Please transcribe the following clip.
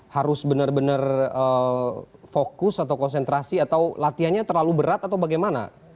harus benar benar fokus atau konsentrasi atau latihannya terlalu berat atau bagaimana